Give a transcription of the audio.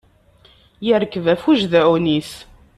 Yerkeb ɣef ujedɛun-is.